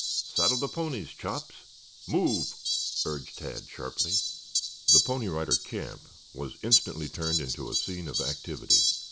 Saddle the ponies, Chops. Move!" urged Tad sharply. The Pony Rider camp was instantly turned into a scene of activity.